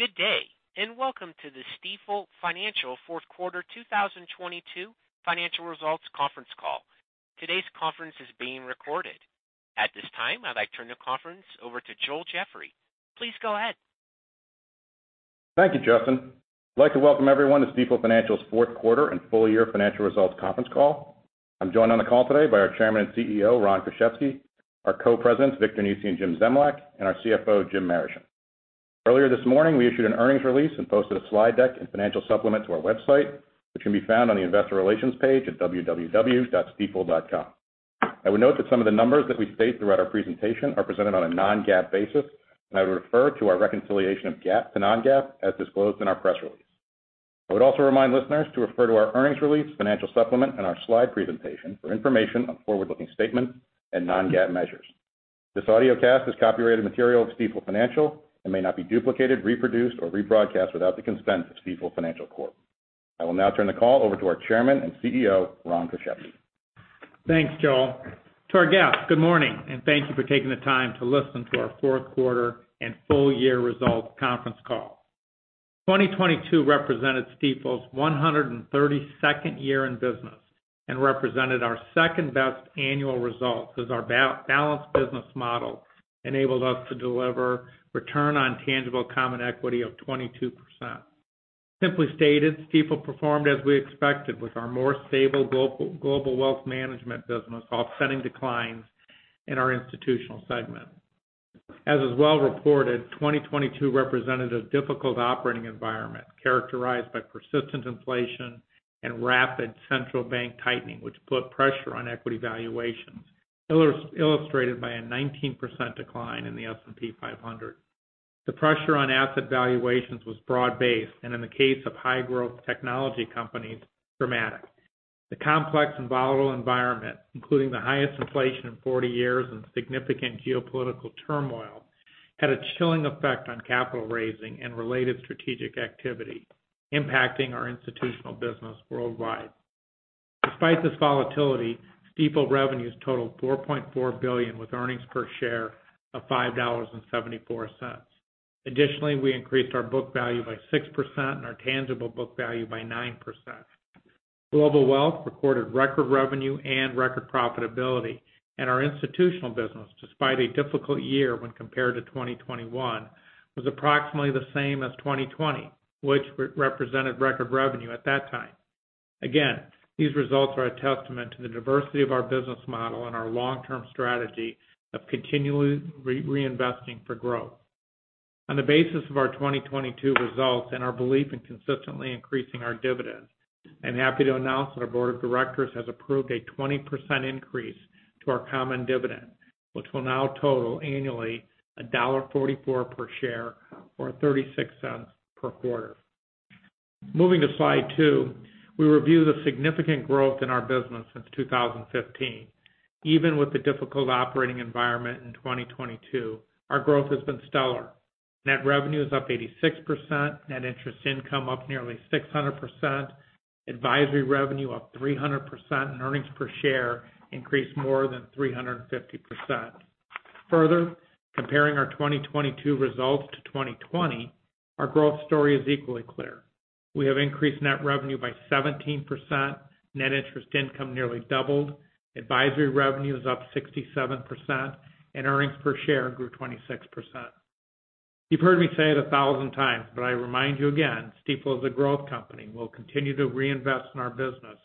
Good day, welcome to the Stifel Financial fourth quarter 2022 financial results conference call. Today's conference is being recorded. At this time, I'd like to turn the conference over to Joel Jeffrey. Please go ahead. Thank you, Justin. I'd like to welcome everyone to Stifel Financial's fourth quarter and full year financial results conference call. I'm joined on the call today by our Chairman and CEO, Ron Kruszewski, our Co-Presidents, Victor Nesi and Jim Zemlyak, and our CFO, Jim Marischen. Earlier this morning, we issued an earnings release and posted a slide deck and financial supplement to our website, which can be found on the investor relations page at www.stifel.com. I would note that some of the numbers that we state throughout our presentation are presented on a non-GAAP basis, and I would refer to our reconciliation of GAAP to non-GAAP as disclosed in our press release. I would also remind listeners to refer to our earnings release, financial supplement, and our slide presentation for information on forward-looking statements and non-GAAP measures. This audiocast is copyrighted material of Stifel Financial and may not be duplicated, reproduced, or rebroadcast without the consent of Stifel Financial Corp. I will now turn the call over to our Chairman and CEO, Ron Kruszewski. Thanks, Joel. To our guests, good morning, and thank you for taking the time to listen to our fourth quarter and full year results conference call. 2022 represented Stifel's 132nd year in business and represented our second-best annual results as our balance business model enabled us to deliver Return on Tangible Common Equity of 22%. Simply stated, Stifel performed as we expected with our more stable Global Wealth Management business offsetting declines in our institutional segment. As is well reported, 2022 represented a difficult operating environment characterized by persistent inflation and rapid central bank tightening, which put pressure on equity valuations, illustrated by a 19% decline in the S&P 500. The pressure on asset valuations was broad-based, and in the case of high-growth technology companies, dramatic. The complex and volatile environment, including the highest inflation in 40 years and significant geopolitical turmoil, had a chilling effect on capital raising and related strategic activity impacting our institutional business worldwide. Despite this volatility, Stifel revenues totaled $4.4 billion with earnings per share of $5.74. Additionally, we increased our book value by 6% and our tangible book value by 9%. Global Wealth recorded record revenue and record profitability. Our institutional business, despite a difficult year when compared to 2021, was approximately the same as 2020, which represented record revenue at that time. These results are a testament to the diversity of our business model and our long-term strategy of continually reinvesting for growth. On the basis of our 2022 results and our belief in consistently increasing our dividends, I'm happy to announce that our board of directors has approved a 20% increase to our common dividend, which will now total annually $1.44 per share or $0.36 per quarter. Moving to slide 2, we review the significant growth in our business since 2015. Even with the difficult operating environment in 2022, our growth has been stellar. Net revenue is up 86%, net interest income up nearly 600%, advisory revenue up 300%, and earnings per share increased more than 350%. Further, comparing our 2022 results to 2020, our growth story is equally clear. We have increased net revenue by 17%, net interest income nearly doubled, advisory revenue is up 67%, and earnings per share grew 26%. You've heard me say it 1,000 times, but I remind you again, Stifel is a growth company and will continue to reinvest in our business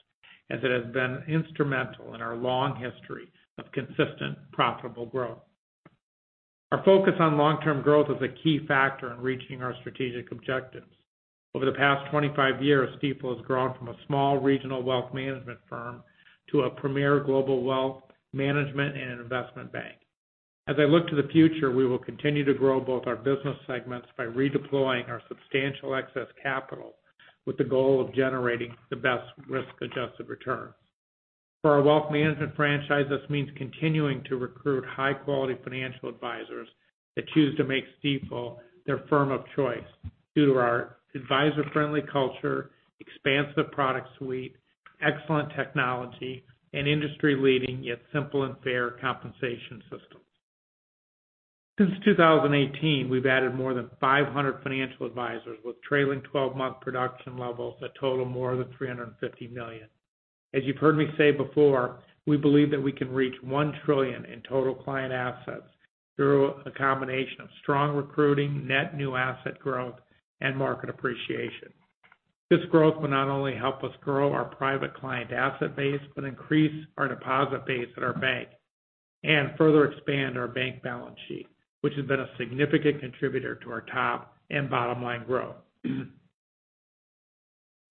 as it has been instrumental in our long history of consistent profitable growth. Our focus on long-term growth is a key factor in reaching our strategic objectives. Over the past 25 years, Stifel has grown from a small regional wealth management firm to a premier global wealth management and an investment bank. As I look to the future, we will continue to grow both our business segments by redeploying our substantial excess capital with the goal of generating the best risk-adjusted return. For our wealth management franchise, this means continuing to recruit high-quality financial advisors that choose to make Stifel their firm of choice due to our advisor-friendly culture, expansive product suite, excellent technology, and industry-leading yet simple and fair compensation systems. Since 2018, we've added more than 500 financial advisors with trailing twelve-month production levels that total more than $350 million. As you've heard me say before, we believe that we can reach $1 trillion in total client assets through a combination of strong recruiting, net new asset growth, and market appreciation. This growth will not only help us grow our private client asset base, but increase our deposit base at our bank and further expand our bank balance sheet, which has been a significant contributor to our top and bottom line growth.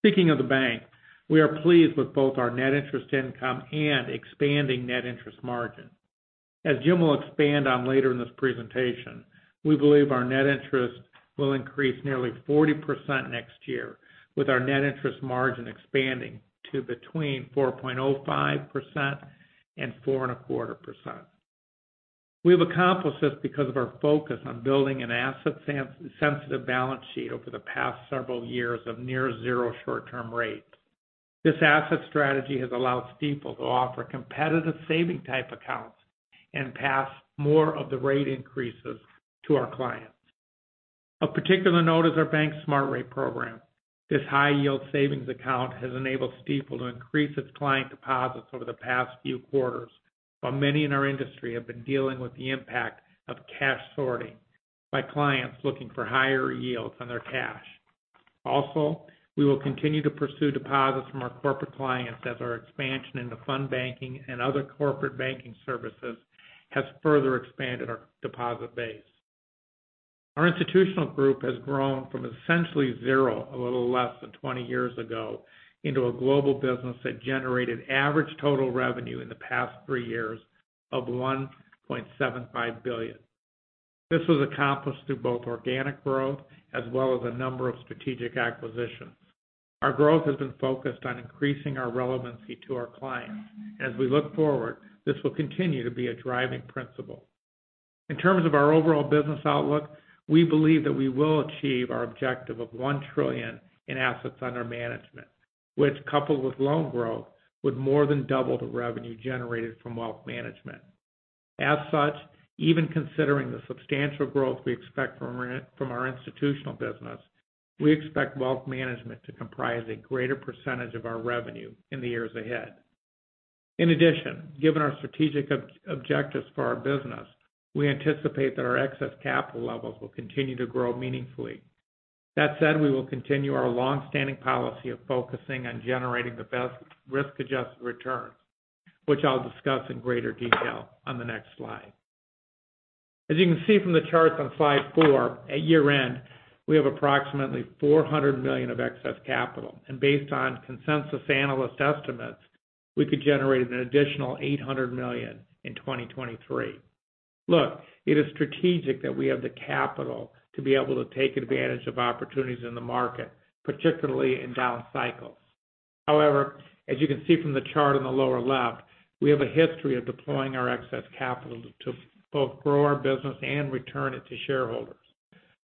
Speaking of the bank, we are pleased with both our net interest income and expanding net interest margin. As Jim will expand on later in this presentation, we believe our net interest will increase nearly 40% next year with our net interest margin expanding to between 4.05% and 4.25%. We've accomplished this because of our focus on building an asset-sensitive balance sheet over the past several years of near zero short-term rates. This asset strategy has allowed Stifel to offer competitive saving type accounts and pass more of the rate increases to our clients. Of particular note is our bank Smart Rate program. This high-yield savings account has enabled Stifel to increase its client deposits over the past few quarters, while many in our industry have been dealing with the impact of cash sorting by clients looking for higher yields on their cash. We will continue to pursue deposits from our corporate clients as our expansion into fund banking and other corporate banking services has further expanded our deposit base. Our institutional group has grown from essentially zero a little less than 20 years ago into a global business that generated average total revenue in the past 3 years of $1.75 billion. This was accomplished through both organic growth as well as a number of strategic acquisitions. Our growth has been focused on increasing our relevancy to our clients. As we look forward, this will continue to be a driving principle. In terms of our overall business outlook, we believe that we will achieve our objective of $1 trillion in assets under management, which, coupled with loan growth, would more than double the revenue generated from wealth management. Even considering the substantial growth we expect from our institutional business, we expect Global Wealth Management to comprise a great percentage of our revenue in the years ahead. Given our strategic objectives for our business, we anticipate that our excess capital levels will continue to grow meaningfully. We will continue our long-standing policy of focusing on generating the best risk-adjusted returns, which I'll discuss in greater detail on the next slide. You can see from the charts on slide four, at year-end, we have approximately $400 million of excess capital. Based on consensus analyst estimates, we could generate an additional $800 million in 2023. Look, it is strategic that we have the capital to be able to take advantage of opportunities in the market, particularly in down cycles. However, as you can see from the chart on the lower left, we have a history of deploying our excess capital to both grow our business and return it to shareholders.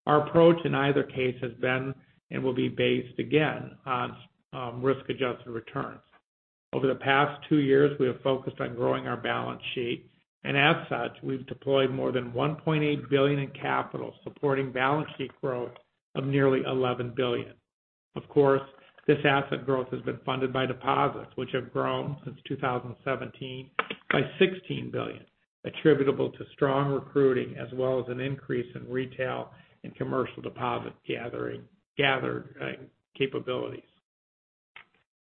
Our approach in either case has been, and will be based again on, risk-adjusted returns. Over the past two years, we have focused on growing our balance sheet. As such, we've deployed more than $1.8 billion in capital, supporting balance sheet growth of nearly $11 billion. Of course, this asset growth has been funded by deposits, which have grown since 2017 by $16 billion, attributable to strong recruiting as well as an increase in retail and commercial deposit gathered capabilities.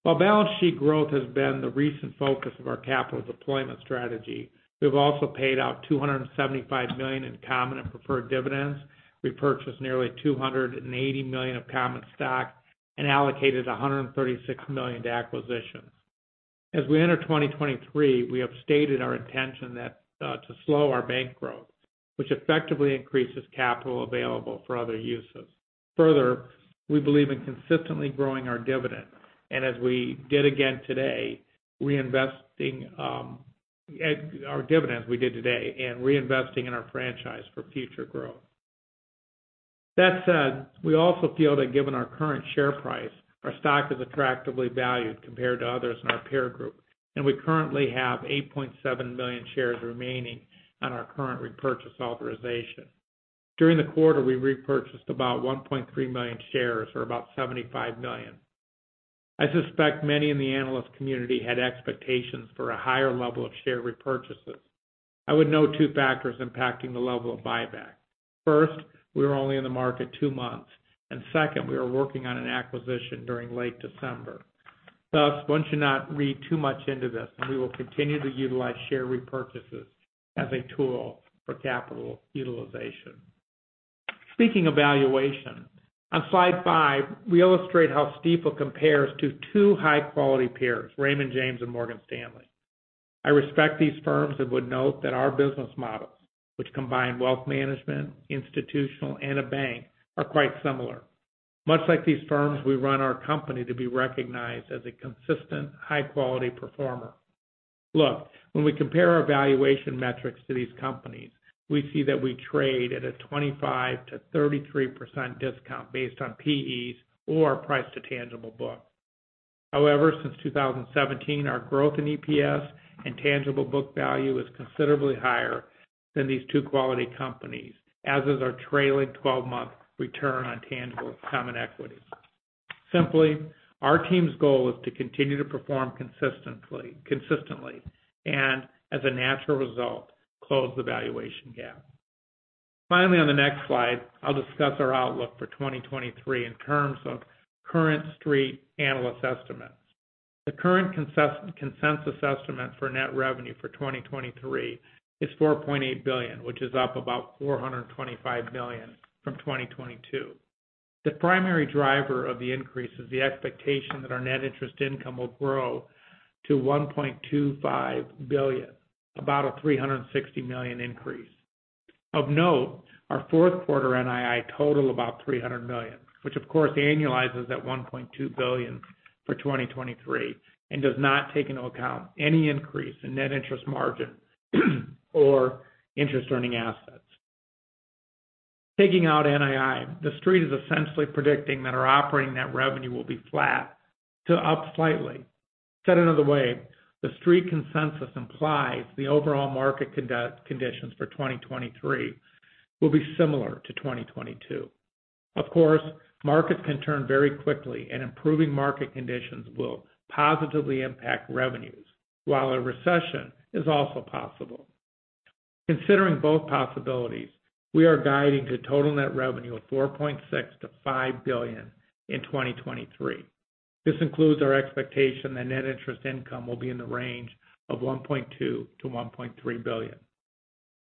While balance sheet growth has been the recent focus of our capital deployment strategy, we've also paid out $275 million in common and preferred dividends. We purchased nearly $280 million of common stock and allocated $136 million to acquisitions. As we enter 2023, we have stated our intention that to slow our bank growth, which effectively increases capital available for other uses. Further, we believe in consistently growing our dividend. As we did again today, reinvesting our dividends we did today and reinvesting in our franchise for future growth. That said, we also feel that given our current share price, our stock is attractively valued compared to others in our peer group, and we currently have 8.7 million shares remaining on our current repurchase authorization. During the quarter, we repurchased about 1.3 million shares or about $75 million. I suspect many in the analyst community had expectations for a higher level of share repurchases. I would note two factors impacting the level of buyback. First, we were only in the market 2 months. Second, we were working on an acquisition during late December. Thus, one should not read too much into this, and we will continue to utilize share repurchases as a tool for capital utilization. Speaking of valuation, on slide 5, we illustrate how Stifel compares to two high-quality peers, Raymond James and Morgan Stanley. I respect these firms and would note that our business models, which combine wealth management, institutional, and a bank, are quite similar. Much like these firms, we run our company to be recognized as a consistent high-quality performer. Look, when we compare our valuation metrics to these companies, we see that we trade at a 25%-33% discount based on PEs or price to tangible book. Since 2017, our growth in EPS and tangible book value is considerably higher than these two quality companies, as is our trailing 12-month Return on Tangible Common Equity. Our team's goal is to continue to perform consistently, and as a natural result, close the valuation gap. On the next slide, I'll discuss our outlook for 2023 in terms of current street analyst estimates. The current consensus estimate for net revenue for 2023 is $4.8 billion, which is up about $425 million from 2022. The primary driver of the increase is the expectation that our net interest income will grow to $1.25 billion, about a $360 million increase. Of note, our fourth quarter NII total about $300 million, which of course annualizes at $1.2 billion for 2023 and does not take into account any increase in net interest margin or interest earning assets. Taking out NII, the Street is essentially predicting that our operating net revenue will be flat to up slightly. Said another way, the Street consensus implies the overall market conditions for 2023 will be similar to 2022. Markets can turn very quickly, and improving market conditions will positively impact revenues, while a recession is also possible. Considering both possibilities, we are guiding to total net revenue of $4.6 billion-$5 billion in 2023. This includes our expectation that net interest income will be in the range of $1.2 billion-$1.3 billion.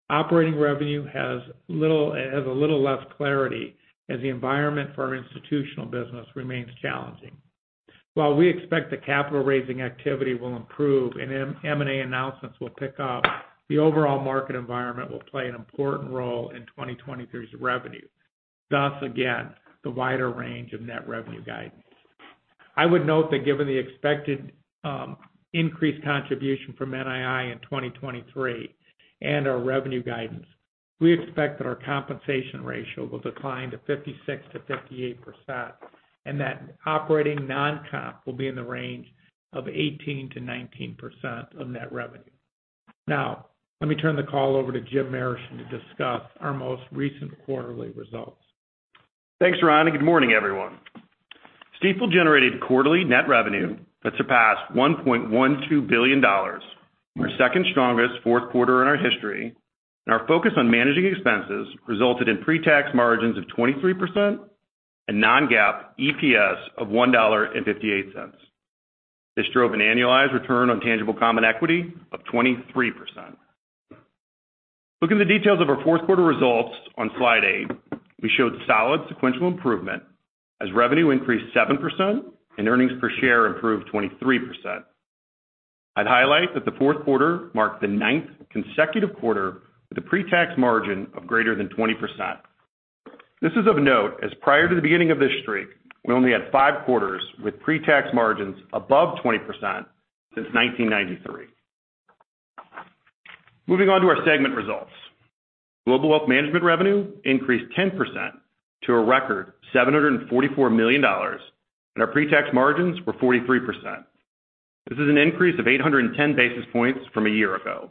Operating revenue has a little less clarity as the environment for our institutional business remains challenging. While we expect the capital-raising activity will improve and M&A announcements will pick up, the overall market environment will play an important role in 2023's revenue, thus again, the wider range of net revenue guidance. I would note that given the expected increased contribution from NII in 2023 and our revenue guidance, we expect that our compensation ratio will decline to 56%-58%, and that operating non-comp will be in the range of 18%-19% of net revenue. Now, let me turn the call over to Jim Marischen to discuss our most recent quarterly results. Thanks, Ron. Good morning, everyone. Stifel generated quarterly net revenue that surpassed $1.12 billion, our second strongest fourth quarter in our history, and our focus on managing expenses resulted in pre-tax margins of 23% and non-GAAP EPS of $1.58. This drove an annualized return on tangible common equity of 23%. Looking at the details of our fourth quarter results on slide 8, we showed solid sequential improvement as revenue increased 7% and earnings per share improved 23%. I'd highlight that the fourth quarter marked the ninth consecutive quarter with a pre-tax margin of greater than 20%. This is of note as prior to the beginning of this streak, we only had five quarters with pre-tax margins above 20% since 1993. Moving on to our segment results. Global Wealth Management revenue increased 10% to a record $744 million. Our pre-tax margins were 43%. This is an increase of 810 basis points from a year ago.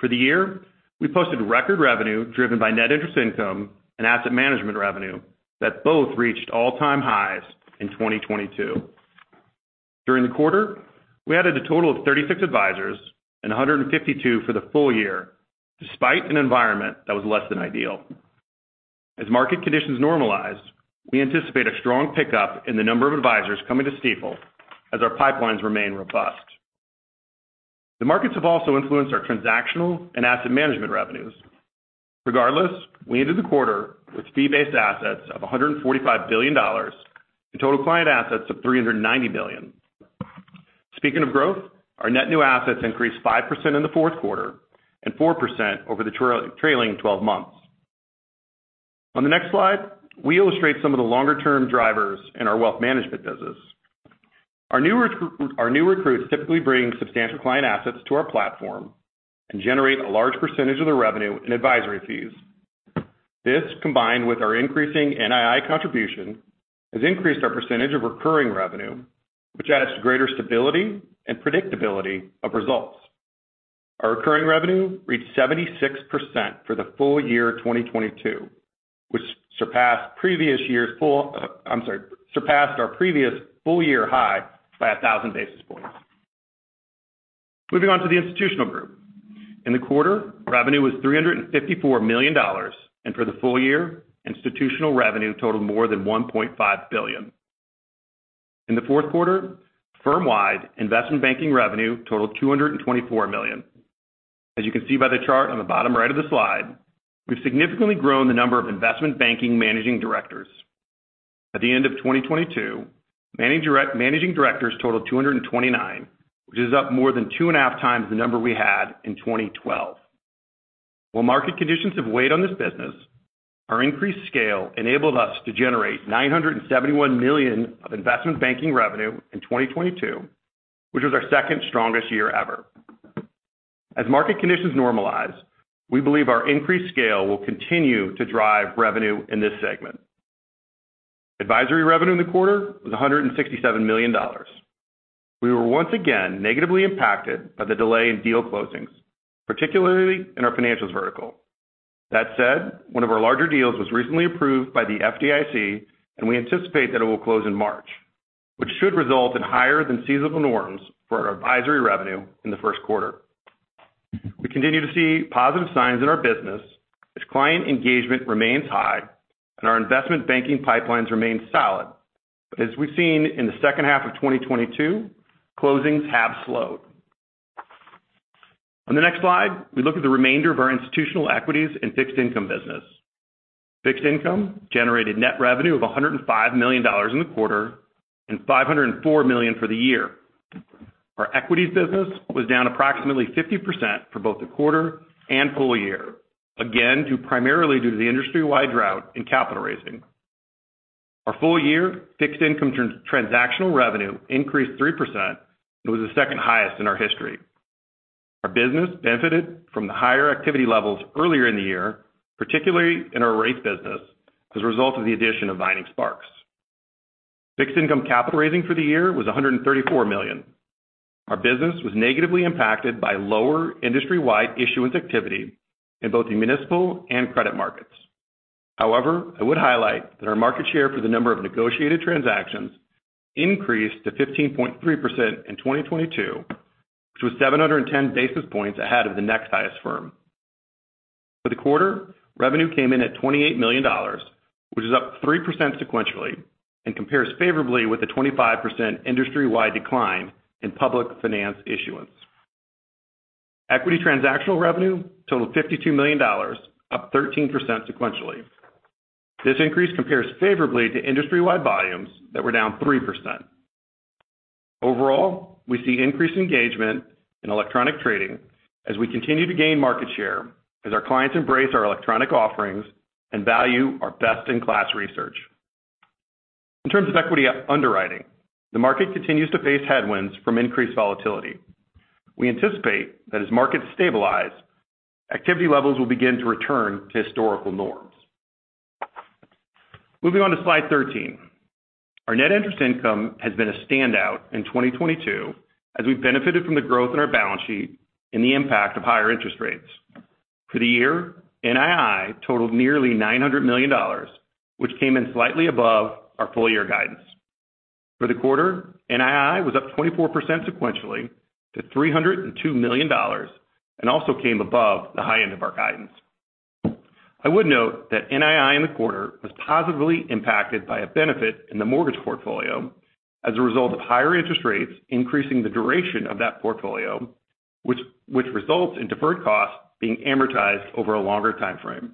For the year, we posted record revenue driven by net interest income and asset management revenue that both reached all-time highs in 2022. During the quarter, we added a total of 36 advisors and 152 for the full year, despite an environment that was less than ideal. As market conditions normalized, we anticipate a strong pickup in the number of advisors coming to Stifel as our pipelines remain robust. The markets have also influenced our transactional and asset management revenues. Regardless, we ended the quarter with fee-based assets of $145 billion and total client assets of $390 billion. Speaking of growth, our net new assets increased 5% in the fourth quarter and 4% over the trailing 12 months. On the next slide, we illustrate some of the longer-term drivers in our wealth management business. Our new recruits typically bring substantial client assets to our platform and generate a large percentage of the revenue in advisory fees. This, combined with our increasing NII contribution, has increased our percentage of recurring revenue, which adds greater stability and predictability of results. Our recurring revenue reached 76% for the full year 2022, which surpassed our previous full year high by 1,000 basis points. Moving on to the institutional group. In the quarter, revenue was $354 million, and for the full year, institutional revenue totaled more than $1.5 billion. In the fourth quarter, firm-wide investment banking revenue totaled $224 million. As you can see by the chart on the bottom right of the slide, we've significantly grown the number of investment banking managing directors. At the end of 2022, managing directors totaled 229, which is up more than 2.5 times the number we had in 2012. While market conditions have weighed on this business, our increased scale enabled us to generate $971 million of investment banking revenue in 2022, which was our second strongest year ever. As market conditions normalize, we believe our increased scale will continue to drive revenue in this segment. Advisory revenue in the quarter was $167 million. We were once again negatively impacted by the delay in deal closings, particularly in our financials vertical. One of our larger deals was recently approved by the FDIC, and we anticipate that it will close in March, which should result in higher than seasonal norms for our advisory revenue in the first quarter. We continue to see positive signs in our business as client engagement remains high and our investment banking pipelines remain solid. As we've seen in the second half of 2022, closings have slowed. On the next slide, we look at the remainder of our institutional equities and fixed income business. Fixed income generated net revenue of $105 million in the quarter and $504 million for the year. Our equities business was down approximately 50% for both the quarter and full year. Due primarily to the industry-wide drought in capital raising. Our full year fixed income transactional revenue increased 3%. It was the second highest in our history. Our business benefited from the higher activity levels earlier in the year, particularly in our rates business as a result of the addition of Vining Sparks. Fixed income capital raising for the year was $134 million. Our business was negatively impacted by lower industry-wide issuance activity in both the municipal and credit markets. I would highlight that our market share for the number of negotiated transactions increased to 15.3% in 2022, which was 710 basis points ahead of the next highest firm. For the quarter, revenue came in at $28 million, which is up 3% sequentially and compares favorably with the 25% industry-wide decline in public finance issuance. Equity transactional revenue totaled $52 million, up 13% sequentially. This increase compares favorably to industry-wide volumes that were down 3%. Overall, we see increased engagement in electronic trading as we continue to gain market share as our clients embrace our electronic offerings and value our best-in-class research. In terms of equity underwriting, the market continues to face headwinds from increased volatility. We anticipate that as markets stabilize, activity levels will begin to return to historical norms. Moving on to slide 13. Our net interest income has been a standout in 2022 as we benefited from the growth in our balance sheet and the impact of higher interest rates. For the year, NII totaled nearly $900 million, which came in slightly above our full year guidance. For the quarter, NII was up 24% sequentially to $302 million and also came above the high end of our guidance. I would note that NII in the quarter was positively impacted by a benefit in the mortgage portfolio as a result of higher interest rates increasing the duration of that portfolio which results in deferred costs being amortized over a longer time frame.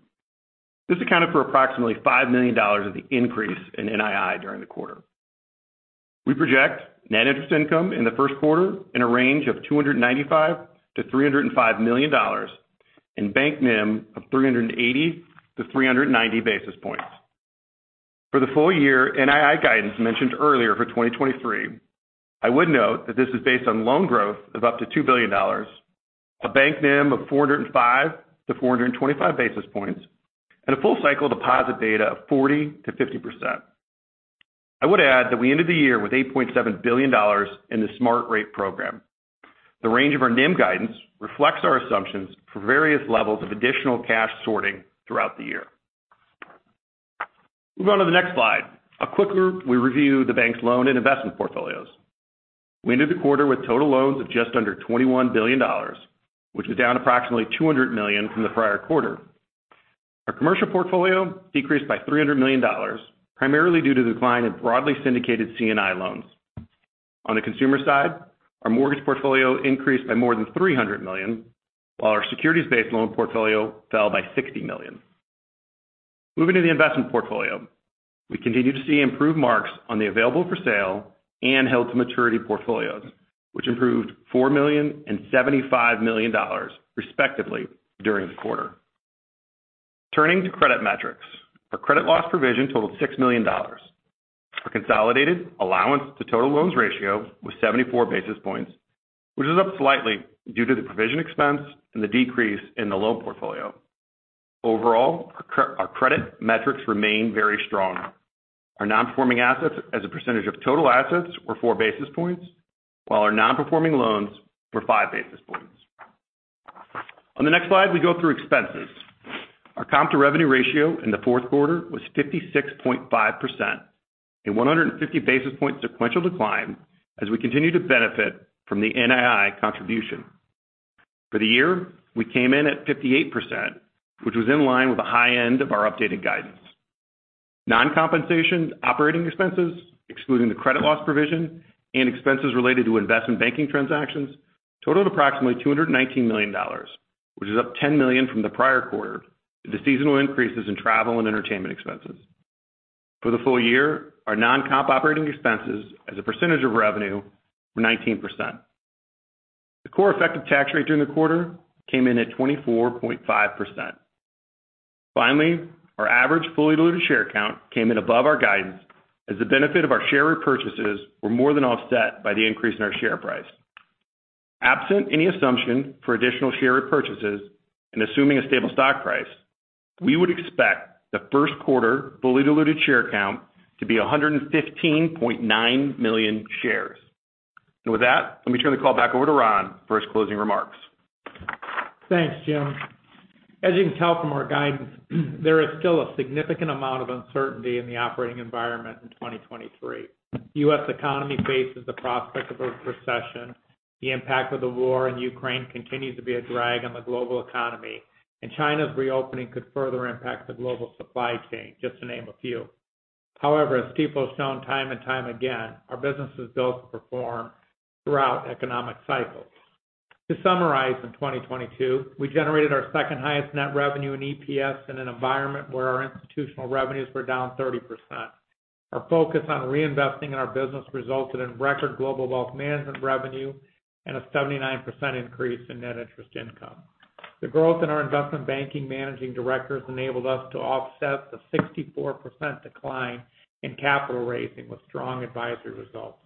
This accounted for approximately $5 million of the increase in NII during the quarter. We project net interest income in the first quarter in a range of $295 million-$305 million and bank NIM of 380 to 390 basis points. For the full year NII guidance mentioned earlier for 2023, I would note that this is based on loan growth of up to $2 billion, a bank NIM of 405-425 basis points, and a full cycle deposit beta of 40%-50%. I would add that we ended the year with $8.7 billion in the Stifel Smart Rate program. The range of our NIM guidance reflects our assumptions for various levels of additional cash sorting throughout the year. Moving on to the next slide. A quick review of the bank's loan and investment portfolios. We ended the quarter with total loans of just under $21 billion, which was down approximately $200 million from the prior quarter. Our commercial portfolio decreased by $300 million, primarily due to the decline in broadly syndicated C&I loans. On the consumer side, our mortgage portfolio increased by more than $300 million, while our securities-based loan portfolio fell by $60 million. Moving to the investment portfolio. We continue to see improved marks on the Available for Sale and Held to Maturity portfolios, which improved $4 million and $75 million respectively during the quarter. Turning to credit metrics. Our credit loss provision totaled $6 million. Our consolidated allowance to total loans ratio was 74 basis points, which is up slightly due to the provision expense and the decrease in the loan portfolio. Overall, our credit metrics remain very strong. Our non-performing assets as a percentage of total assets were 4 basis points, while our non-performing loans were 5 basis points. On the next slide, we go through expenses. Our comp to revenue ratio in the fourth quarter was 56.5% and 150 basis point sequential decline as we continue to benefit from the NII contribution. For the year, we came in at 58%, which was in line with the high end of our updated guidance. Non-compensation operating expenses, excluding the credit loss provision and expenses related to investment banking transactions totaled approximately $219 million, which is up $10 million from the prior quarter due to seasonal increases in travel and entertainment expenses. For the full year, our non-comp operating expenses as a percentage of revenue were 19%. The core effective tax rate during the quarter came in at 24.5%. Finally, our average fully diluted share count came in above our guidance as the benefit of our share repurchases were more than offset by the increase in our share price. Absent any assumption for additional share repurchases and assuming a stable stock price, we would expect the first quarter fully diluted share count to be 115.9 million shares. With that, let me turn the call back over to Ron for his closing remarks. Thanks, Jim. As you can tell from our guidance, there is still a significant amount of uncertainty in the operating environment in 2023. The U.S. economy faces the prospect of a recession, the impact of the war in Ukraine continues to be a drag on the global economy, China's reopening could further impact the global supply chain, just to name a few. However, as Stifel has shown time and time again, our business is built to perform throughout economic cycles. To summarize, in 2022, we generated our second highest net revenue in EPS in an environment where our institutional revenues were down 30%. Our focus on reinvesting in our business resulted in record Global Wealth Management revenue and a 79% increase in net interest income. The growth in our investment banking managing directors enabled us to offset the 64% decline in capital raising with strong advisory results.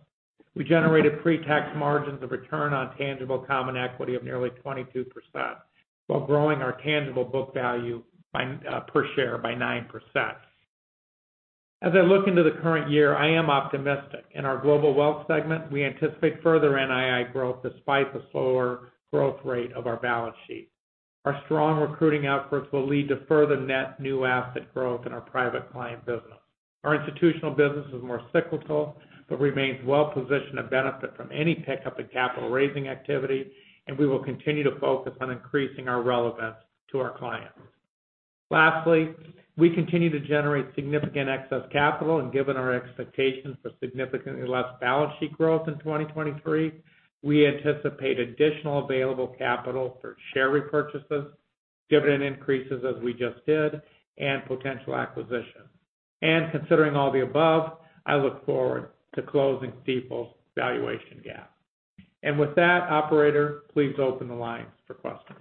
We generated pre-tax margins of Return on Tangible Common Equity of nearly 22% while growing our tangible book value per share by 9%. As I look into the current year, I am optimistic. In our Global Wealth segment, we anticipate further NII growth despite the slower growth rate of our balance sheet. Our strong recruiting efforts will lead to further net new asset growth in our private client business. Our institutional business is more cyclical, but remains well positioned to benefit from any pickup in capital raising activity. We will continue to focus on increasing our relevance to our clients. Lastly, we continue to generate significant excess capital. Given our expectations for significantly less balance sheet growth in 2023, we anticipate additional available capital for share repurchases, dividend increases as we just did, and potential acquisitions. Considering all the above, I look forward to closing Stifel's valuation gap. With that, operator, please open the lines for questions.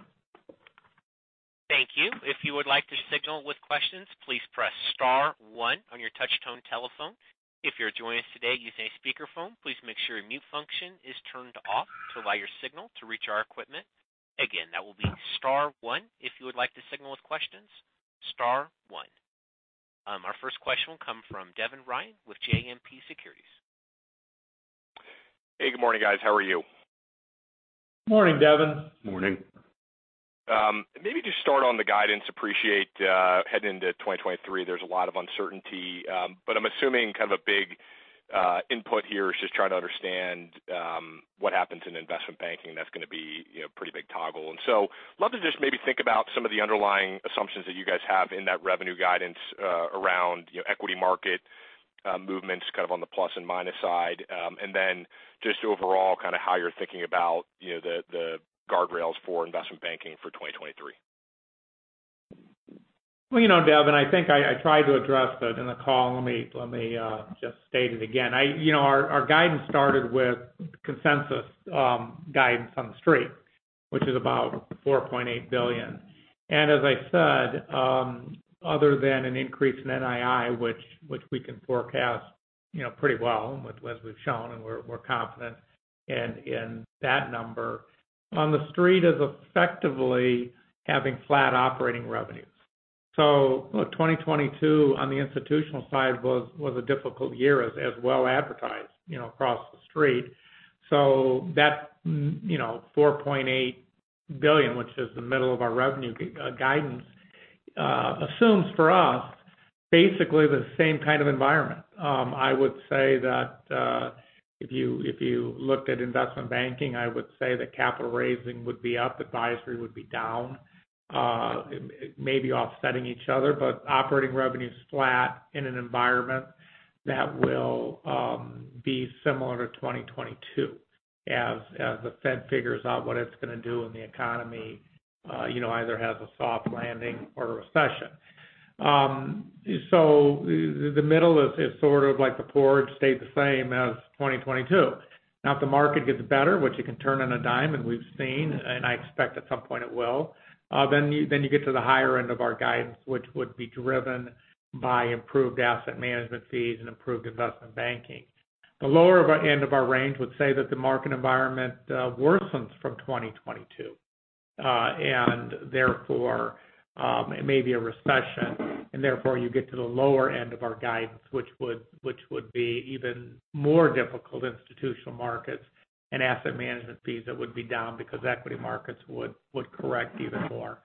Thank you. If you would like to signal with questions, please press star one on your touchtone telephone. If you're joining us today using a speaker phone, please make sure your mute function is turned off to allow your signal to reach our equipment. Again, that will be star one if you would like to signal with questions, star one. Our first question will come from Devin Ryan with JMP Securities. Hey, good morning, guys. How are you? Morning, Devin. Morning. Maybe just start on the guidance. Appreciate, heading into 2023, there's a lot of uncertainty. I'm assuming kind of a big input here is just trying to understand, what happens in investment banking. That's gonna be, you know, pretty big toggle. Love to just maybe think about some of the underlying assumptions that you guys have in that revenue guidance, around, you know, equity market movements, kind of on the plus and minus side. Then just overall kind of how you're thinking about, you know, the guardrails for investment banking for 2023. Well, you know, Devin, I tried to address that in the call. Let me just state it again. You know, our guidance started with consensus guidance on the street, which is about $4.8 billion. As I said, other than an increase in NII, which we can forecast, you know, pretty well as we've shown and we're confident in that number. On the street is effectively having flat operating revenues. Look, 2022 on the institutional side was a difficult year as well advertised, you know, across the street. That, you know, $4.8 billion, which is the middle of our revenue guidance, assumes for us basically the same kind of environment. I would say that, if you looked at investment banking, I would say that capital raising would be up, advisory would be down. It may be offsetting each other. Operating revenues flat in an environment that will be similar to 2022 as the Fed figures out what it's gonna do when the economy, you know, either has a soft landing or a recession. The middle is sort of like the porridge stayed the same as 2022. If the market gets better, which it can turn on a dime, and we've seen, and I expect at some point it will, then you get to the higher end of our guidance, which would be driven by improved asset management fees and improved investment banking. The lower of our end of our range would say that the market environment worsens from 2022. Therefore, it may be a recession, and therefore you get to the lower end of our guidance, which would be even more difficult institutional markets and asset management fees that would be down because equity markets would correct even more.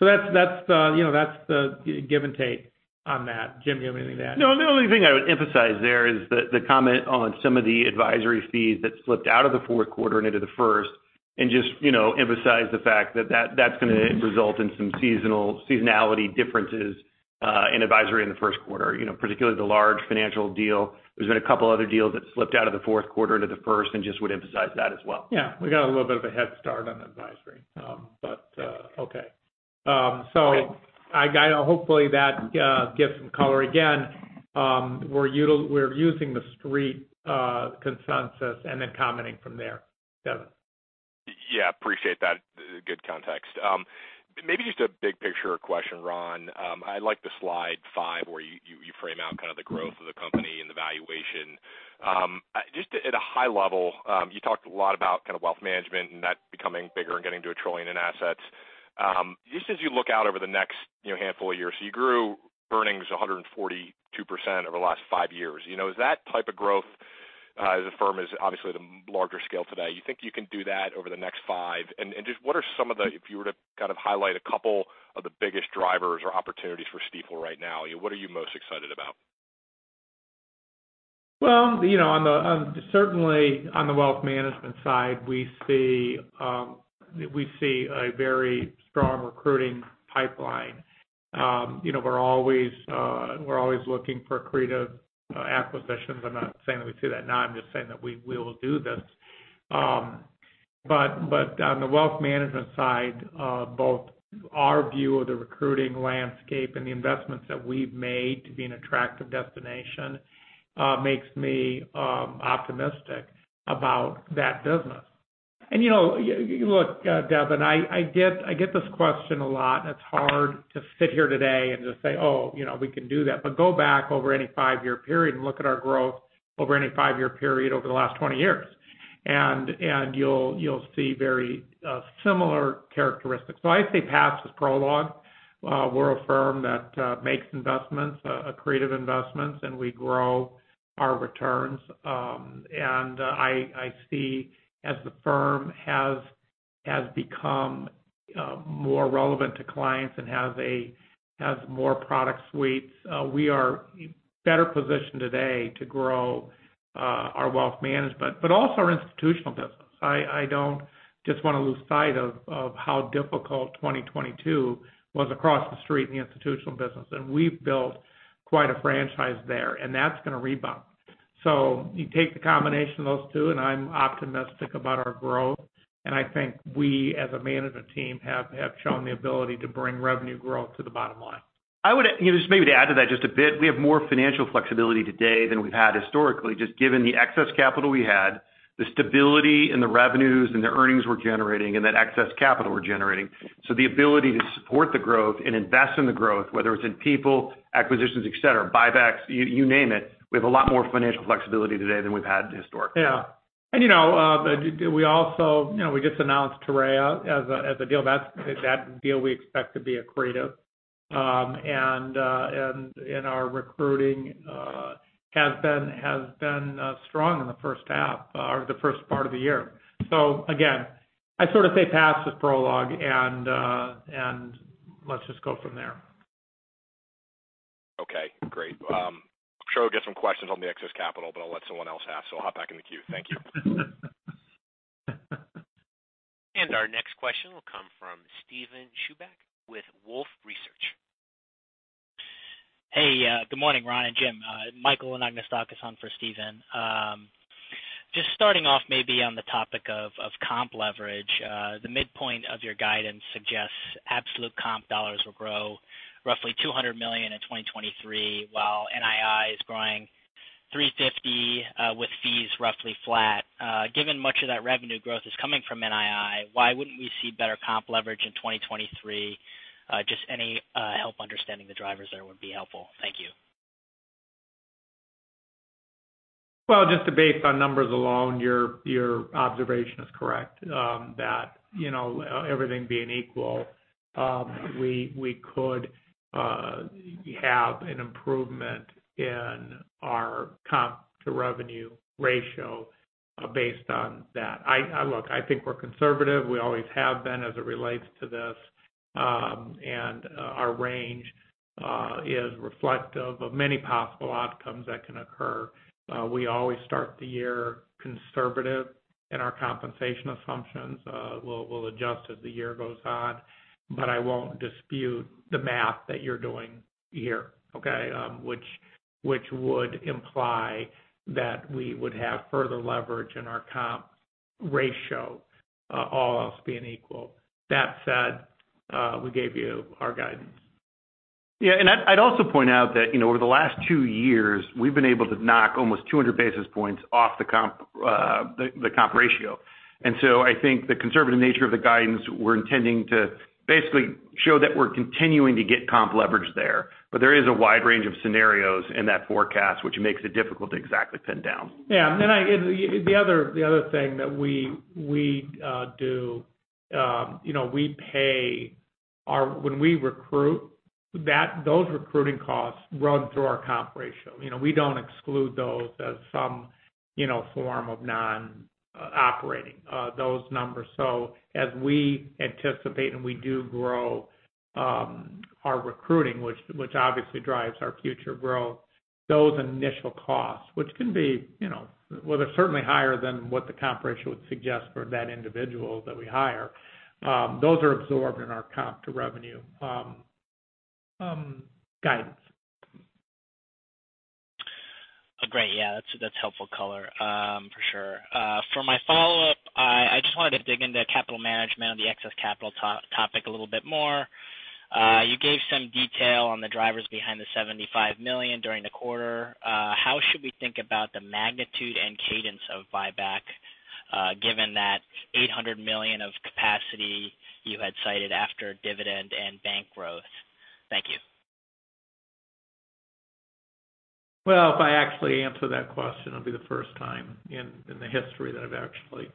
That's, that's the, you know, that's the give and take on that. Jim, you have anything to add? No, the only thing I would emphasize there is the comment on some of the advisory fees that slipped out of the fourth quarter and into the first. Just, you know, emphasize the fact that that's gonna result in some seasonality differences in advisory in the first quarter. You know, particularly the large financial deal. There's been a couple other deals that slipped out of the fourth quarter into the first and just would emphasize that as well. Yeah, we got a little bit of a head start on advisory. Okay. Hopefully that gives some color. Again, we're using the street consensus and then commenting from there. Devin. Yeah, appreciate that. Good context. Maybe just a big picture question, Ron. I like the slide 5 where you frame out kind of the growth of the company and the valuation. Just at a high level, you talked a lot about kind of wealth management and that becoming bigger and getting to $1 trillion in assets. Just as you look out over the next, you know, handful of years, you grew earnings 142% over the last 5 years. You know, is that type of growth, as a firm is obviously the larger scale today. You think you can do that over the next 5? Just what are some of the if you were to kind of highlight a couple of the biggest drivers or opportunities for Stifel right now, what are you most excited about? Well, you know, on the certainly on the Wealth Management side, we see a very strong recruiting pipeline. You know, we're always looking for creative acquisitions. I'm not saying that we see that now, I'm just saying that we will do this. But on the Wealth Management side, Our view of the recruiting landscape and the investments that we've made to be an attractive destination, makes me optimistic about that business. You know, you look, Devin, I get this question a lot, and it's hard to sit here today and just say, "Oh, you know, we can do that." Go back over any 5-year period and look at our growth over any 5-year period over the last 20 years. You'll see very similar characteristics. I say past is prologue. We're a firm that makes investments, accretive investments, and we grow our returns. I see as the firm has become more relevant to clients and has more product suites, we are better positioned today to grow our Wealth Management, but also our institutional business. I don't just wanna lose sight of how difficult 2022 was across the street in the institutional business. We've built quite a franchise there, and that's gonna rebound. You take the combination of those two, and I'm optimistic about our growth. I think we, as a management team, have shown the ability to bring revenue growth to the bottom line. You know, just maybe to add to that just a bit. We have more financial flexibility today than we've had historically, just given the excess capital we had, the stability and the revenues and the earnings we're generating, and that excess capital we're generating. The ability to support the growth and invest in the growth, whether it's in people, acquisitions, et cetera, buybacks, you name it, we have a lot more financial flexibility today than we've had historically. Yeah. You know, we also, you know, we just announced Torreya as a deal. That's a deal we expect to be accretive. Our recruiting has been strong in the first half or the first part of the year. Again, I sort of say past is prologue and let's just go from there. Okay, great. I'm sure we'll get some questions on the excess capital, but I'll let someone else ask, so I'll hop back in the queue. Thank you. Our next question will come from Steven Chubak with Wolfe Research. Hey, good morning, Ron and Jim. Michael Anagnostakis on for Steven. Just starting off maybe on the topic of comp leverage. The midpoint of your guidance suggests absolute comp dollars will grow roughly $200 million in 2023, while NII is growing $350, with fees roughly flat. Given much of that revenue growth is coming from NII, why wouldn't we see better comp leverage in 2023? Just any help understanding the drivers there would be helpful. Thank you. Well, just based on numbers alone, your observation is correct, that, you know, everything being equal, we could have an improvement in our comp to revenue ratio, based on that. Look, I think we're conservative. We always have been as it relates to this. And our range is reflective of many possible outcomes that can occur. We always start the year conservative in our compensation assumptions. We'll adjust as the year goes on. I won't dispute the math that you're doing here, okay, which would imply that we would have further leverage in our comp ratio, all else being equal. That said, we gave you our guidance. Yeah. I'd also point out that, you know, over the last two years, we've been able to knock almost 200 basis points off the comp ratio. I think the conservative nature of the guidance, we're intending to basically show that we're continuing to get comp leverage there. There is a wide range of scenarios in that forecast which makes it difficult to exactly pin down. Yeah. The other thing that we do, you know, we pay when we recruit, those recruiting costs run through our comp ratio. You know, we don't exclude those as some, you know, form of non-operating, those numbers. As we anticipate and we do grow, our recruiting, which obviously drives our future growth, those initial costs, which can be, you know. Well, they're certainly higher than what the comp ratio would suggest for that individual that we hire. Those are absorbed in our comp to revenue guidance. Oh, great. Yeah. That's helpful color, for sure. For my follow-up, I just wanted to dig into capital management on the excess capital top-topic a little bit more. You gave some detail on the drivers behind the $75 million during the quarter. How should we think about the magnitude and cadence of buyback, given that $800 million of capacity you had cited after dividend and bank growth? Thank you. Well, if I actually answer that question, it'll be the first time in the history that I've actually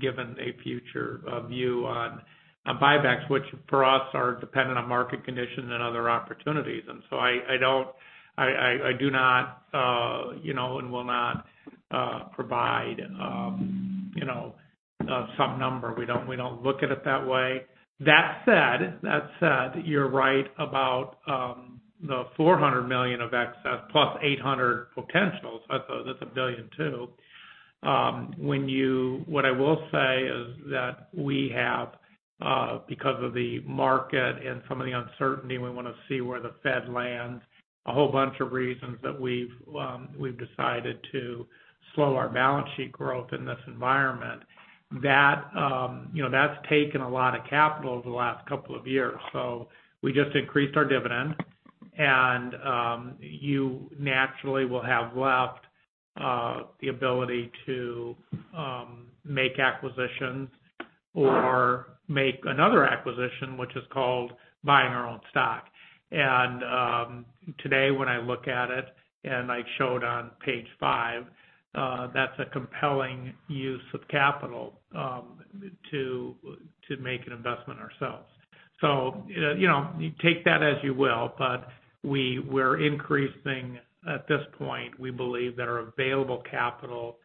given a future view on buybacks, which for us are dependent on market conditions and other opportunities. I do not, you know, and will not provide, you know, some number. We don't look at it that way. That said, you're right about the $400 million of excess plus $800 million potential. That's a $1 billion too. What I will say is that we have, because of the market and some of the uncertainty, we wanna see where the Fed lands, a whole bunch of reasons that we've decided to slow our balance sheet growth in this environment. That, you know, that's taken a lot of capital over the last couple of years. We just increased our dividend, and you naturally will have left the ability to make acquisitions or make another acquisition, which is called buying our own stock. Today, when I look at it and I showed on page 5, that's a compelling use of capital to make an investment ourselves. You know, you take that as you will, but we're increasing at this point. We believe that our available capital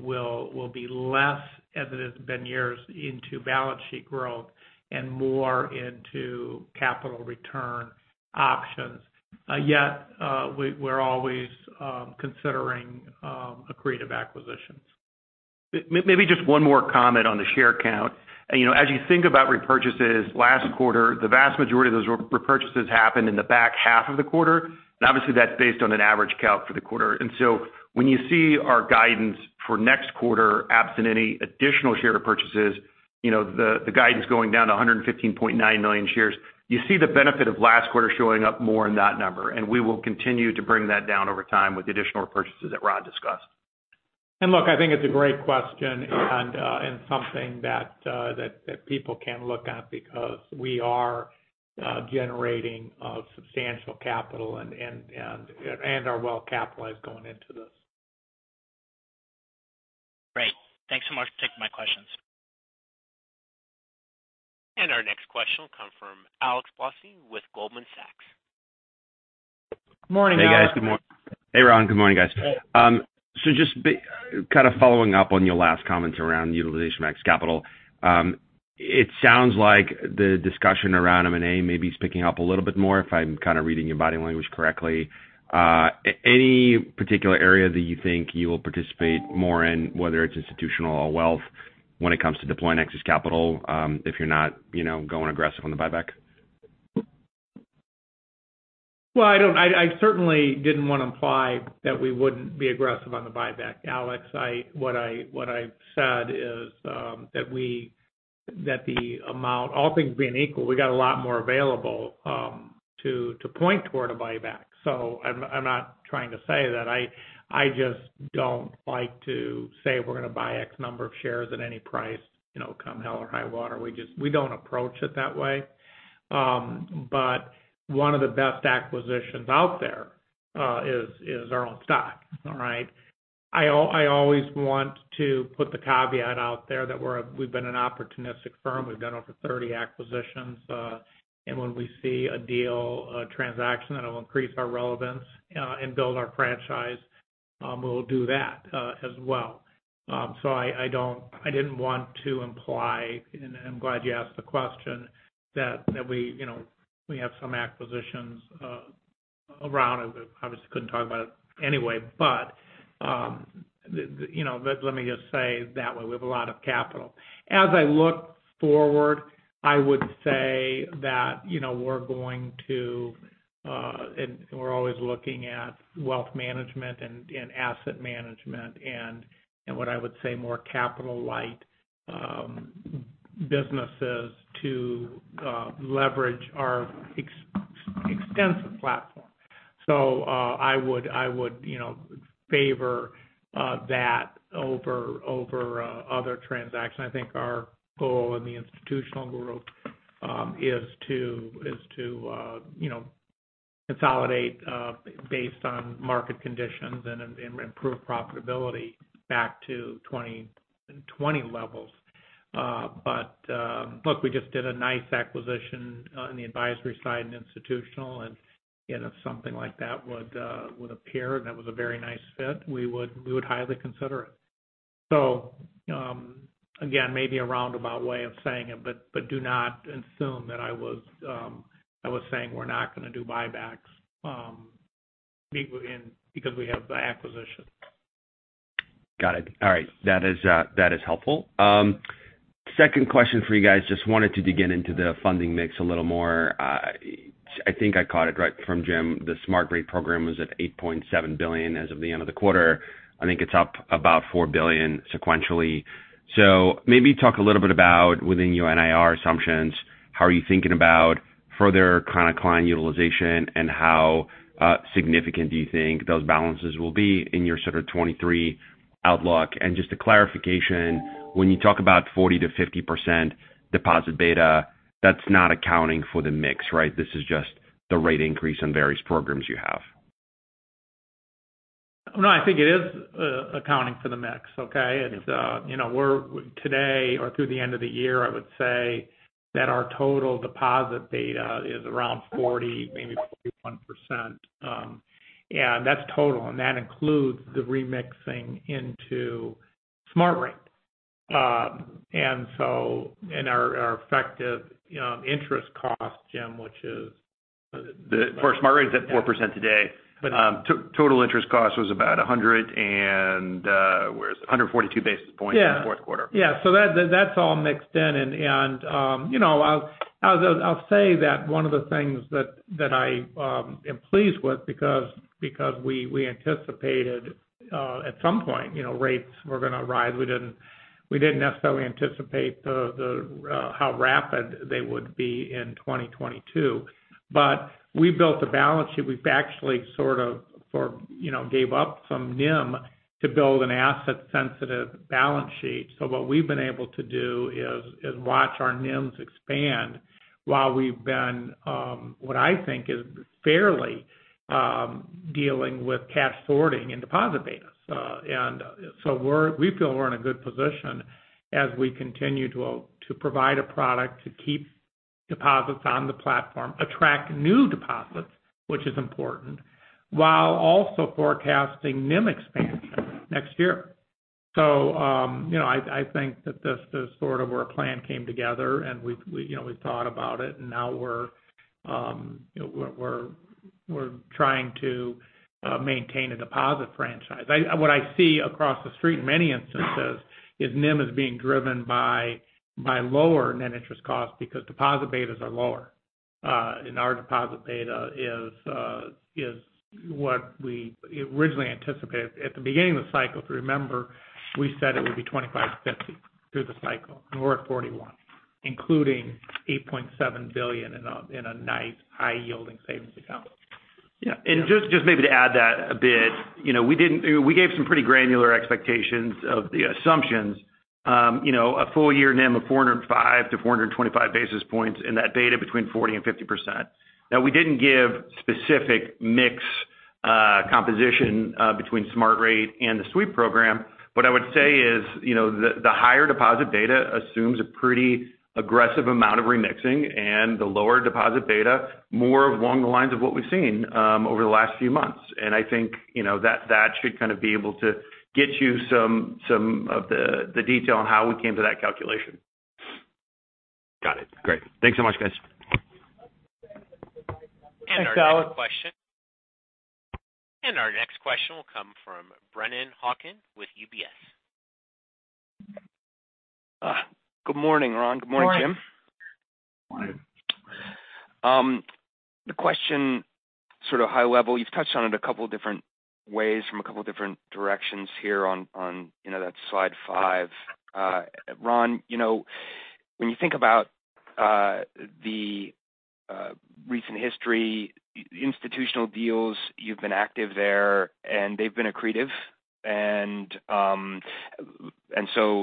will be less as it has been years into balance sheet growth and more into capital return options. Yet, we're always considering accretive acquisitions. Maybe just one more comment on the share count. You know, as you think about repurchases, last quarter, the vast majority of those repurchases happened in the back half of the quarter. Obviously, that's based on an average count for the quarter. When you see our guidance for next quarter, absent any additional share repurchases, you know, the guidance going down to 115.9 million shares, you see the benefit of last quarter showing up more in that number. We will continue to bring that down over time with the additional repurchases that Ron discussed. Look, I think it's a great question and something that people can look at because we are generating substantial capital and are well capitalized going into this. Great. Thanks so much for taking my questions. Our next question will come from Alexander Blostein with Goldman Sachs. Good morning, Alex. Hey, guys. Hey, Ron. Good morning, guys. Hey. Just kind of following up on your last comments around utilization of excess capital. It sounds like the discussion around M&A maybe is picking up a little bit more, if I'm kind of reading your body language correctly. Any particular area that you think you will participate more in, whether it's institutional or wealth when it comes to deploying excess capital, if you're not, you know, going aggressive on the buyback? I certainly didn't want to imply that we wouldn't be aggressive on the buyback, Alex. What I said is that the amount, all things being equal, we got a lot more available to point toward a buyback. I'm not trying to say that. I just don't like to say we're gonna buy X number of shares at any price, you know, come hell or high water. We don't approach it that way. But one of the best acquisitions out there is our own stock. All right? I always want to put the caveat out there that we've been an opportunistic firm. We've done over 30 acquisitions. When we see a deal, a transaction that will increase our relevance and build our franchise, we'll do that as well. I didn't want to imply, and I'm glad you asked the question, that we, you know, we have some acquisitions around it. Obviously, couldn't talk about it anyway, but, you know, let me just say that we have a lot of capital. As I look forward, I would say that, you know, we're going to, and we're always looking at wealth management and asset management and what I would say more capital-light businesses to leverage our extensive platform. I would, I would, you know, favor that over other transactions. I think our goal in the institutional group, is to, you know, consolidate, based on market conditions and improve profitability back to 2020 levels. Look, we just did a nice acquisition on the advisory side and institutional, and, you know, something like that would appear, and that was a very nice fit. We would highly consider it. Again, maybe a roundabout way of saying it, but do not assume that I was saying we're not gonna do buybacks, because we have the acquisition. Got it. All right. That is helpful. Second question for you guys. Just wanted to dig into the funding mix a little more. I think I caught it right from Jim. The Smart Rate program was at $8.7 billion as of the end of the quarter. I think it's up about $4 billion sequentially. Maybe talk a little bit about within your NII assumptions, how are you thinking about further kind of client utilization and how significant do you think those balances will be in your 2023 outlook? Just a clarification, when you talk about 40%-50% deposit beta, that's not accounting for the mix, right? This is just the rate increase on various programs you have. No, I think it is, accounting for the mix, okay? Okay. You know, today or through the end of the year, I would say that our total Deposit Beta is around 40%, maybe 41%. That's total, and that includes the remixing into Smart Rate. In our effective, you know, interest cost, Jim, which is The first Smart Rate is at 4% today. total interest cost was about, where is it? 142 basis points... Yeah in the fourth quarter. That's all mixed in. You know, I'll say that one of the things that I am pleased with because we anticipated at some point, you know, rates were gonna rise. We didn't necessarily anticipate the how rapid they would be in 2022. We built a balance sheet. We've actually sort of for, you know, gave up some NIM to build an asset sensitive balance sheet. What we've been able to do is watch our NIMs expand while we've been what I think is fairly dealing with cash sorting and Deposit Betas. We feel we're in a good position as we continue to provide a product to keep deposits on the platform, attract new deposits, which is important, while also forecasting NIM expansion next year. You know, I think that this is sort of where a plan came together, and we've, you know, we've thought about it, and now we're, you know, trying to maintain a deposit franchise. What I see across the street in many instances is NIM is being driven by lower net interest costs because deposit betas are lower. Our Deposit Beta is what we originally anticipated. At the beginning of the cycle, if you remember, we said it would be 25% to 50% through the cycle. We're at 41%, including $8.7 billion in a nice high-yielding savings account. Just maybe to add that a bit, you know, we gave some pretty granular expectations of the assumptions, you know, a full year NIM of 405-425 basis points, and that beta between 40% and 50%. We didn't give specific mix composition between Smart Rate and the sweep program. What I would say is, you know, the higher deposit beta assumes a pretty aggressive amount of remixing, and the lower deposit beta, more along the lines of what we've seen over the last few months. I think, you know, that should kind of be able to get you some of the detail on how we came to that calculation. Got it. Great. Thanks so much, guys. Thanks, Alex. Our next question will come from Brennan Hawken with UBS. Good morning, Ron. Good morning, Jim. Good morning. Morning. The question sort of high level, you've touched on it a couple different ways from a couple different directions here on, you know, that slide 5. Ron, you know, when you think about the recent history institutional deals, you've been active there, and they've been accretive.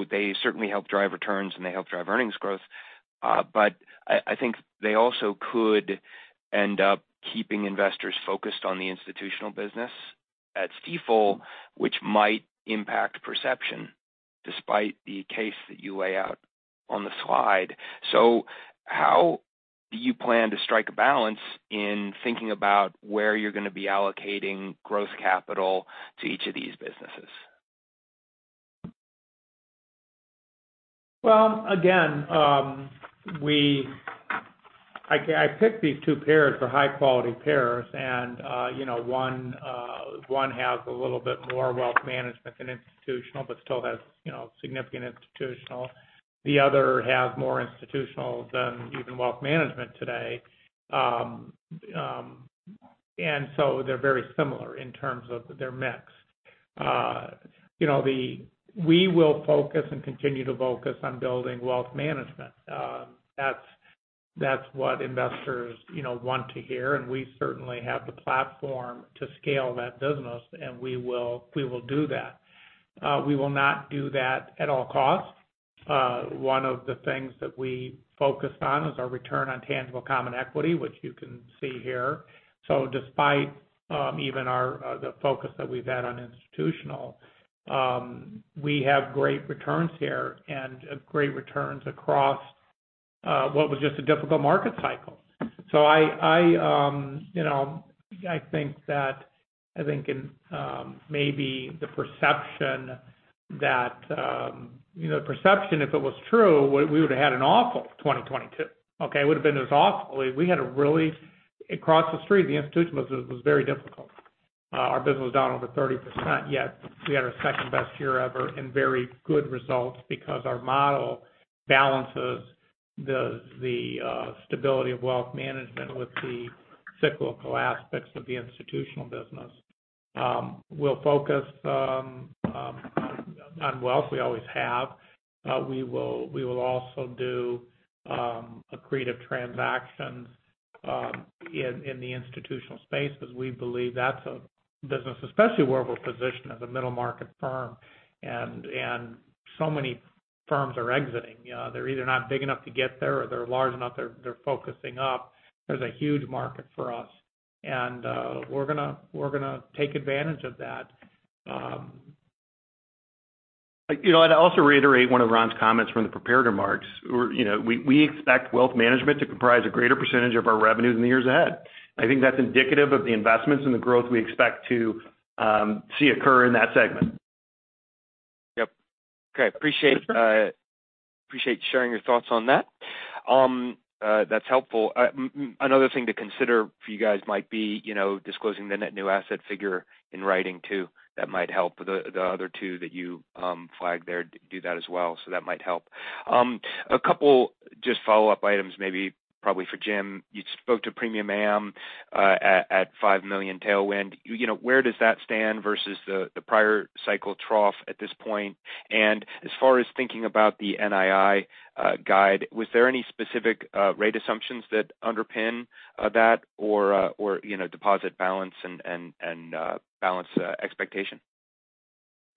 They certainly help drive returns, and they help drive earnings growth. I think they also could end up keeping investors focused on the institutional business at Stifel, which might impact perception despite the case that you lay out on the slide. How do you plan to strike a balance in thinking about where you're gonna be allocating growth capital to each of these businesses? Well, again, I picked these two peers for high-quality peers. You know, one has a little bit more wealth management than institutional, but still has, you know, significant institutional. The other has more institutional than even wealth management today. They're very similar in terms of their mix. You know, we will focus and continue to focus on building wealth management. That's, that's what investors, you know, want to hear, and we certainly have the platform to scale that business, and we will do that. We will not do that at all costs. One of the things that we focus on is our Return on Tangible Common Equity, which you can see here. Despite even our the focus that we've had on institutional, we have great returns here and great returns across what was just a difficult market cycle. I, you know, I think in maybe the perception that, you know, perception, if it was true, we would've had an awful 2022, okay? It would have been this awful. We had a really. Across the street, the institution business was very difficult. Our business was down over 30%, yet we had our second-best year ever and very good results because our model balances the stability of wealth management with the cyclical aspects of the institutional business. We'll focus on wealth. We always have. We will also do accretive transactions in the institutional space because we believe that's a business, especially where we're positioned as a middle market firm, and so many firms are exiting. You know, they're either not big enough to get there or they're large enough, they're focusing up. There's a huge market for us. We're gonna take advantage of that. You know, I'd also reiterate one of Ron's comments from the prepared remarks. We expect Wealth Management to comprise a greater percentage of our revenue in the years ahead. I think that's indicative of the investments and the growth we expect to see occur in that segment. Yep. Okay. Appreciate sharing your thoughts on that. That's helpful. Another thing to consider for you guys might be, you know, disclosing the net new asset figure in writing too. That might help with the other two that you flagged there, do that as well. That might help. A couple just follow-up items maybe probably for Jim. You spoke to premium AM at $5 million tailwind. You know, where does that stand versus the prior cycle trough at this point? As far as thinking about the NII guide, was there any specific rate assumptions that underpin that or, you know, deposit balance and balance expectation?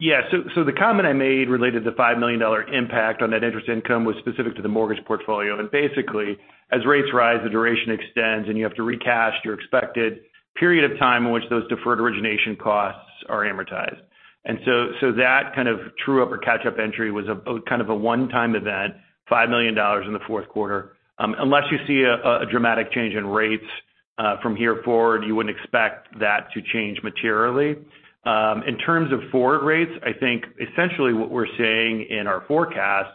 The comment I made related to $5 million impact on that interest income was specific to the mortgage portfolio. Basically, as rates rise, the duration extends, and you have to recast your expected period of time in which those deferred origination costs are amortized. That kind of true up or catch up entry was a kind of a one-time event, $5 million in the fourth quarter. Unless you see a dramatic change in rates from here forward, you wouldn't expect that to change materially. In terms of forward rates, I think essentially what we're seeing in our forecast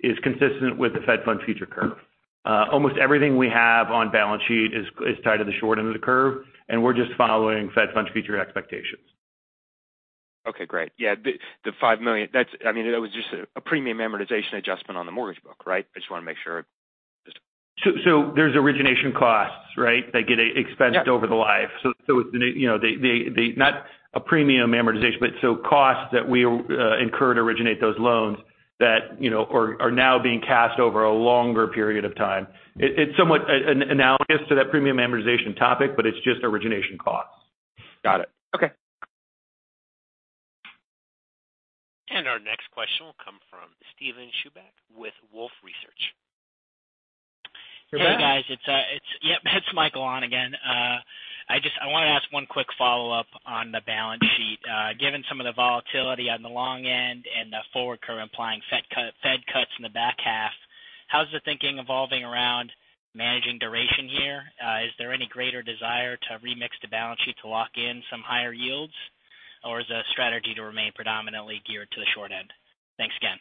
is consistent with the Federal Funds future curve. Almost everything we have on balance sheet is tied to the short end of the curve, and we're just following Federal Funds future expectations. Okay, great. Yeah, the $5 million, I mean, that was just a premium amortization adjustment on the mortgage book, right? I just wanna make sure. There's origination costs, right? They get expensed. Yeah over the life. You know, they not a premium amortization, but so costs that we incur to originate those loans that, you know, are now being cast over a longer period of time. It's somewhat analogous to that premium amortization topic, but it's just origination costs. Got it. Okay. Our next question will come from Steven Chubak with Wolfe Research. Your go ahead. Hey, guys. It's Yep, it's Michael on again. I wanna ask one quick follow-up on the balance sheet. Given some of the volatility on the long end and the forward curve implying Fed cuts in the back half, how's the thinking evolving around managing duration here? Is there any greater desire to remix the balance sheet to lock in some higher yields? Or is the strategy to remain predominantly geared to the short end? Thanks again.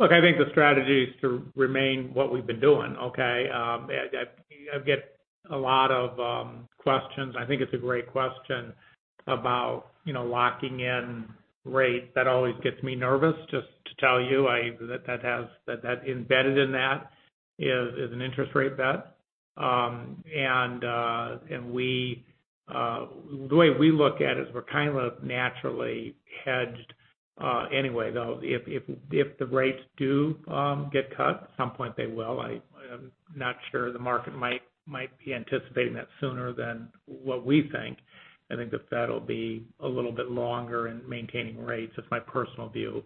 Look, I think the strategy is to remain what we've been doing, okay? I get a lot of questions. I think it's a great question about, you know, locking in rates. That always gets me nervous, just to tell you. That, that embedded in that is an interest rate bet. The way we look at it is we're kind of naturally hedged anyway, though. If the rates do get cut, at some point they will. I am not sure the market might be anticipating that sooner than what we think. I think the Fed will be a little bit longer in maintaining rates. That's my personal view.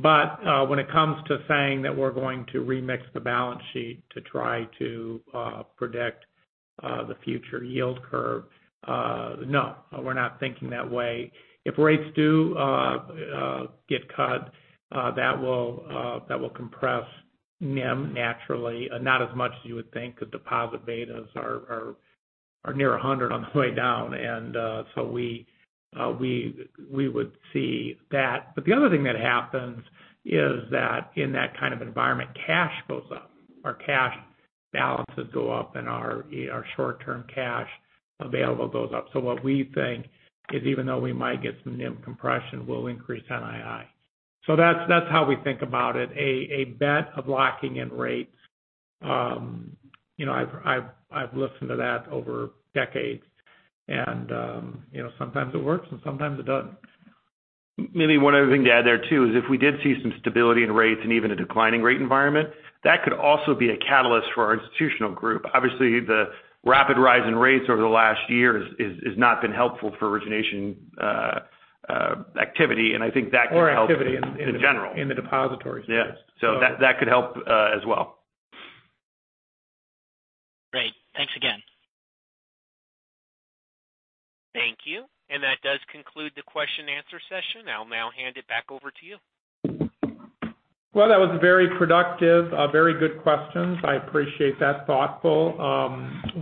When it comes to saying that we're going to remix the balance sheet to try to predict the future yield curve, no, we're not thinking that way. If rates do get cut, that will compress NIM naturally. Not as much as you would think. The deposit betas are near 100 on the way down. We would see that. The other thing that happens is that in that kind of environment, cash goes up, or cash balances go up and our short-term cash available goes up. What we think is, even though we might get some NIM compression, we'll increase NII. That's how we think about it. A bet of locking in rates, you know, I've listened to that over decades and, you know, sometimes it works and sometimes it doesn't. Maybe one other thing to add there too is if we did see some stability in rates and even a declining rate environment, that could also be a catalyst for our institutional group. Obviously, the rapid rise in rates over the last year has not been helpful for origination, activity, and I think that could help. activity in. In general.... in the depository space. Yeah. That could help, as well. Great. Thanks again. Thank you. That does conclude the question and answer session. I'll now hand it back over to you. Well, that was very productive. Very good questions. I appreciate that. Thoughtful.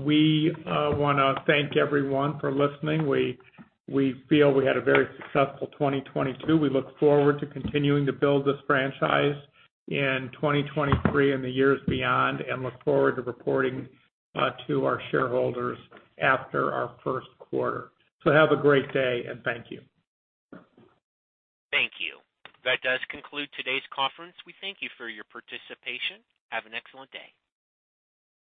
We wanna thank everyone for listening. We feel we had a very successful 2022. We look forward to continuing to build this franchise in 2023 and the years beyond, and look forward to reporting to our shareholders after our first quarter. Have a great day, and thank you. Thank you. That does conclude today's conference. We thank you for your participation. Have an excellent day.